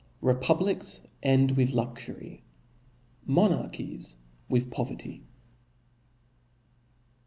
Republics cod with luxury •, monarchies with poverty (^).